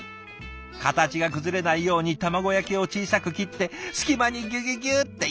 形が崩れないように卵焼きを小さく切って隙間にぎゅぎゅぎゅっと！